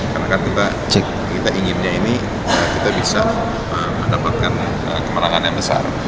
karena kan kita inginnya ini kita bisa mendapatkan kemenangan yang besar